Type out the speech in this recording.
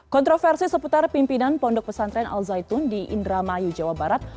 kontroversi seputar pimpinan pondok pesantren al zaitun di indramayu jawa barat